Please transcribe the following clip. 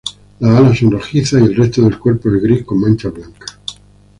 Las alas son rojizas y el resto del cuerpo es gris con manchas blancas.